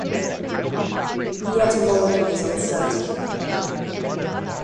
The etymology is uncertain.